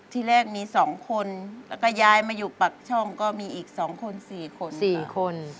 ที่แรกมี๒คนแล้วก็ย้ายมาอยู่ปากช่องก็มีอีก๒คน๔คน๔คน